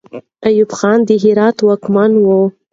ایوب خان د هرات واکمن وو.